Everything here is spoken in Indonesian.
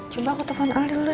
coba aku telfon al dulu deh